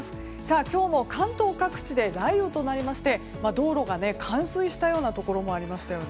今日も関東各地で雷雨となりまして道路が冠水したようなところもありましたよね。